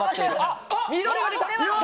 緑が出た！